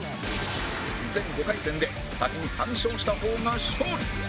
全５回戦で先に３勝した方が勝利